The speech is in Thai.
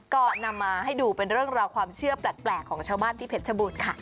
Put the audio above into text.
ก็นำมาให้ดูเป็นเรื่องราวความเชื่อแปลกของชาวบ้านที่เพชรชบูรณ์ค่ะ